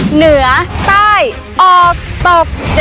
เหนือใต้ออกตก